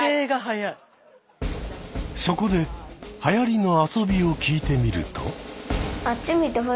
そこではやりの遊びを聞いてみると。